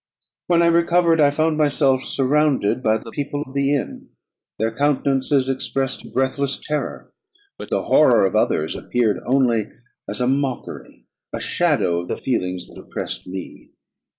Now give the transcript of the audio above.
When I recovered, I found myself surrounded by the people of the inn; their countenances expressed a breathless terror: but the horror of others appeared only as a mockery, a shadow of the feelings that oppressed me.